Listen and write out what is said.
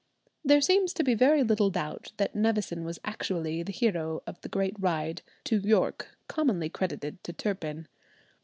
There seems to be very little doubt that Nevison was actually the hero of the great ride to York, commonly credited to Turpin.